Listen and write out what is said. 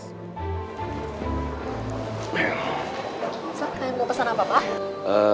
saya mau pesan apa pak